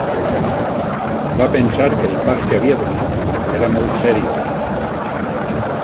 Va pensar que el pas que havia donat era molt serio